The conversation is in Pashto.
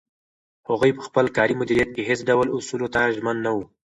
هغوی په خپل کاري مدیریت کې هیڅ ډول اصولو ته ژمن نه وو.